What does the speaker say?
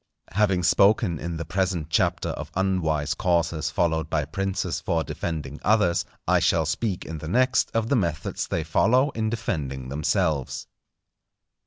Having spoken in the present Chapter of unwise courses followed by princes for defending others, I shall speak in the next, of the methods they follow in defending themselves.